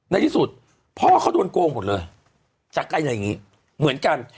ในที่สุดพ่อเขาโดนโกงหมดเลยจากการอย่างนี้เหมือนกัน